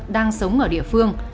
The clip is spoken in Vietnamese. đang sống ở địa phương